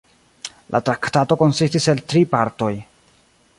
La Traktato konsistis el tri partoj.